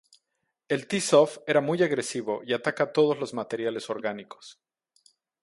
El T-Stoff era muy agresivo y ataca a todos los materiales orgánicos.